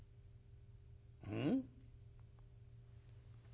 うん？」。